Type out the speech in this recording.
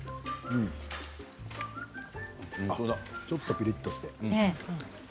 ちょっとピリっとして。